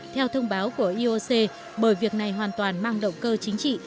theo thông báo của ioc bởi việc này hoàn toàn mang động cơ chính trị